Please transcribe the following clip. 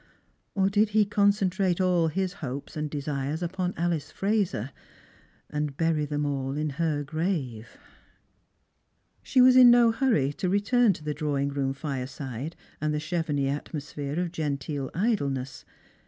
Or did he concentrate all his hopes and desires upon Alice Eraser, and bury them all in her grave ?" She was in no hurry to return to the drawing room fireside and the Chevenix atmosphere of genteel idleness.